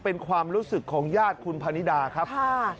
เป็นความรู้สึกของญาติคุณพนิดาครับ